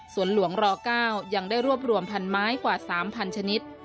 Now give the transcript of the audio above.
ส่วนหลวงร๙ยังได้รวบรวมพันไม้กว่า๓๐๐ชนิด